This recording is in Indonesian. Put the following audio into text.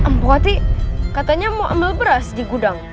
mpu hati katanya mau ambil beras di gudang